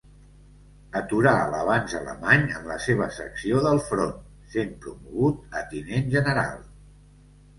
Aturà l'avanç alemany en la seva secció del front, sent promogut a Tinent General.